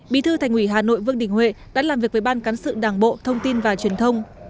bí thư thành ủy hà nội vương đình huệ đã làm việc với ban cán sự đảng bộ thông tin và truyền thông